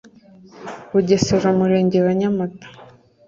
bugesera umurenge wa nyamata